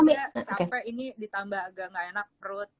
sampai ini ditambah agak gak enak perut